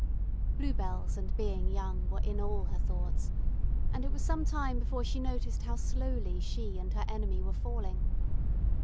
Bluebells and being young were in all her thoughts, and it was some time before she noticed how slowly she and her enemy were falling.